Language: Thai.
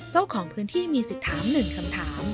เจ้าของพื้นที่มีสิทธิ์ถาม๑คำถาม